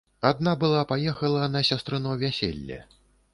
Адна была паехала на сястрыно вяселле.